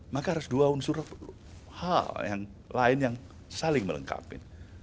maka harus dua unsur hal yang lain yang saling melengkapi